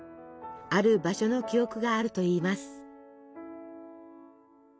ある場所の記憶があるといいます。